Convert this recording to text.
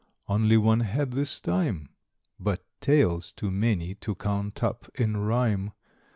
Only one head this time; But tails too many to count up in rhyme.